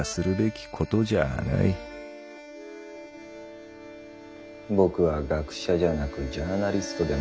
僕は学者じゃなくジャーナリストでもない。